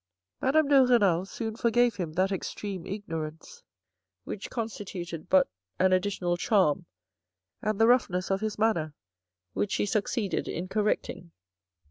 Madame de Renal soon forgave him that extreme ignorance, which constituted but an additional charm, and the roughness of his manner which she succeeded in correcting.